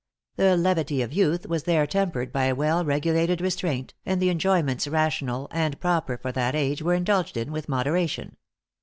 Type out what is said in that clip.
The levity of youth was there tempered by a well regulated restraint, and the enjoyments rational and proper for that age were indulged in with moderation.